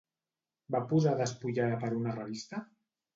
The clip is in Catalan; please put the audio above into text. Va posar despullada per una revista?